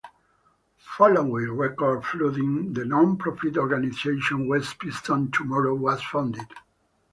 Following record flooding, the non-profit organization West Pittston Tomorrow was founded.